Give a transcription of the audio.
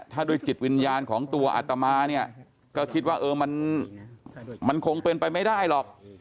ถ้าด้วยจิตวิญญาณของตัวอัตมาเนี่ยก็คิดว่ามันคงเป็นไปไม่ได้หรอก